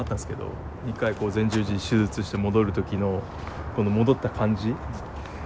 ２回前十字手術して戻る時のこの戻った感じ